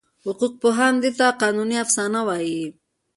حقوقپوهان دې ته قانوني افسانه وایي.